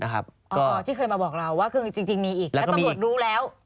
อ๋อที่เคยมาบอกเราว่าจริงมีอีกแล้วต้องรวดรู้แล้ว